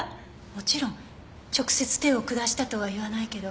もちろん直接手を下したとは言わないけど。